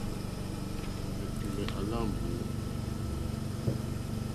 Ɛ̀tùlɛ̀ à lá mbǒ.